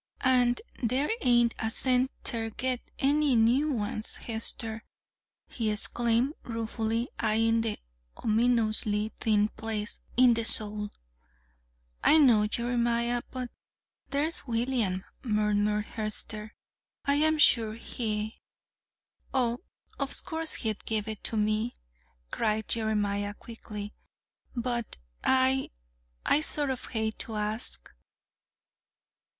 "An' there ain't a cent ter get any new ones, Hester," he exclaimed, ruefully eying the ominously thin place in the sole. "I know, Jeremiah, but there's William," murmured Hester. "I'm sure he " "Oh, of course, he'd give it to me," cried Jeremiah quickly; "but I I sort of hate to ask."